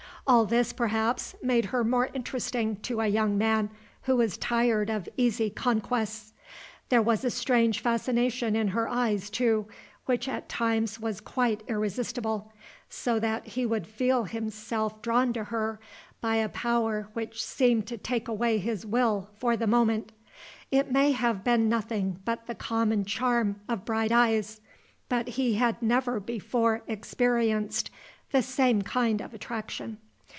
All this, perhaps, made her more interesting to a young man who was tired of easy conquests. There was a strange fascination in her eyes, too, which at times was quite irresistible, so that he would feel himself drawn to her by a power which seemed to take away his will for the moment. It may have been nothing but the common charm of bright eyes; but he had never before experienced the same kind of attraction.